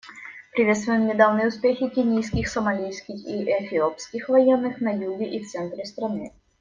Приветствуем недавние успехи кенийских, сомалийских и эфиопских военных на юге и в центре страны.